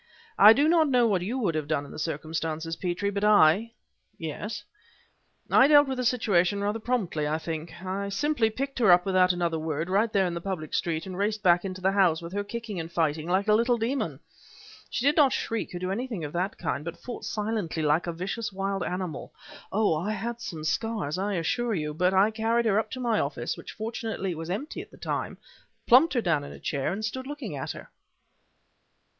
"I do not know what you would have done in the circumstances, Petrie, but I " "Yes?" "I dealt with the situation rather promptly, I think. I simply picked her up without another word, right there in the public street, and raced back into the house, with her kicking and fighting like a little demon! She did not shriek or do anything of that kind, but fought silently like a vicious wild animal. Oh! I had some scars, I assure you; but I carried her up into my office, which fortunately was empty at the time, plumped her down in a chair, and stood looking at her."